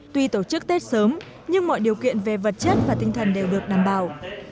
tuy tổ chức tết sớm nhưng mọi điều kiện về vật chất và tinh thần đều được đảm bảo